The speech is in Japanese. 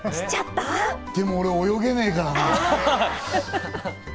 でも俺、泳げねえからな。